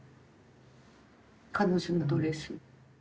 彼女のドレス。